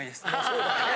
そうだね。